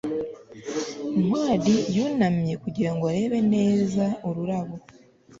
ntwali yunamye kugira ngo arebe neza ururabo